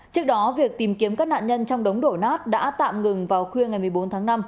trước đó việc tìm kiếm các nạn nhân trong đống đổ nát đã tạm ngừng vào khuya ngày một mươi bốn tháng năm